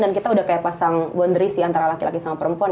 dan kita udah kayak pasang bondrisi antara laki laki sama perempuan